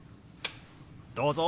どうぞ！